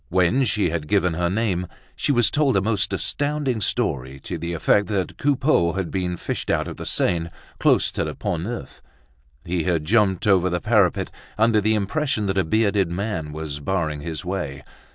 When she had given her name, she was told a most astounding story to the effect that Coupeau had been fished out of the Seine close to the Pont Neuf. He had jumped over the parapet, under the impression that a bearded man was barring his way.